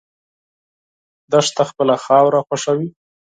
دښته خپله خاوره خوښوي.